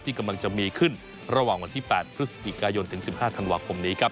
กำลังจะมีขึ้นระหว่างวันที่๘พฤศจิกายนถึง๑๕ธันวาคมนี้ครับ